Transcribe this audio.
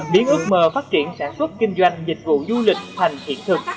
biến ước mơ phát triển sản xuất kinh doanh dịch vụ du lịch thành hiện thực